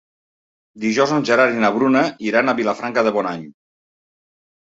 Dijous en Gerard i na Bruna iran a Vilafranca de Bonany.